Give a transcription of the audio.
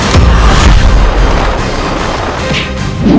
siapa kisahnya sebenarnya